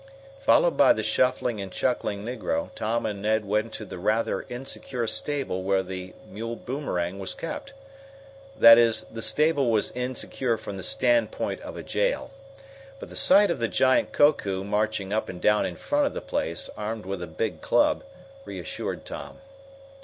Followed by the shuffling and chuckling negro, Tom and Ned went to the rather insecure stable where the mule Boomerang was kept. That is, the stable was insecure from the standpoint of a jail. But the sight of the giant Koku marching up and down in front of the place, armed with a big club, reassured Tom.